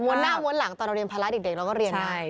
ม้วนหน้าม้วนหลังตอนเราเรียนพลาสดีเราก็เรียนมาก